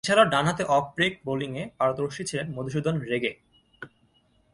এছাড়াও, ডানহাতে off break বোলিংয়ে পারদর্শী ছিলেন মধুসূদন রেগে।